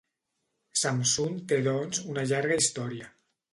Samsun té doncs una llarga història.